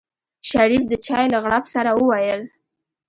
شريف د چای له غړپ سره وويل.